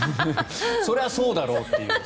それはそうだろうっていう。